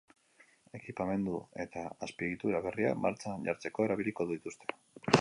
Ekipamendu eta azpiegitura berriak martxan jartzeko erabiliko dituzte.